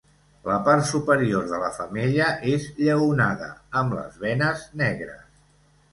La part superior de la femella és lleonada, amb les venes negres.